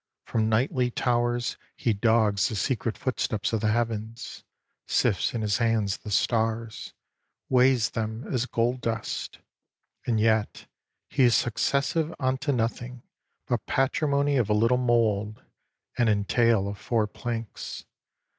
From nightly towers He dogs the secret footsteps of the heavens, Sifts in his hands the stars, weighs them as gold dust, And yet is he successive unto nothing But patrimony of a little mould, And entail of four planks.